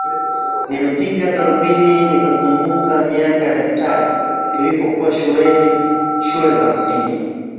Nimepiga darubini nikakumbuka miaka ya dahari tulipokuwa shule za msingi